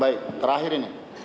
baik terakhir ini